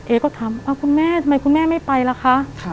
ก็ถามคุณแม่ทำไมคุณแม่ไม่ไปล่ะคะ